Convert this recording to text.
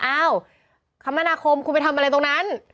อ้าวคมนาคมคุณไปทำอะไรตรงนั้น